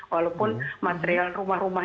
walaupun material rumah rumah